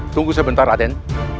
tunggu sebentar raden